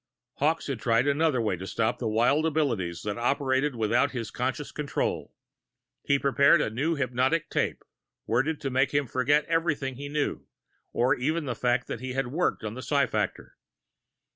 Hawkes had tried another way to stop the wild abilities that operated without his conscious control. He'd prepared a new hypnotic tape, worded to make him forget everything he knew, or even the fact that he had worked on the psi factor.